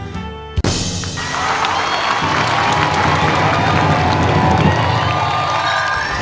จูบลูกหลายเท่าโยม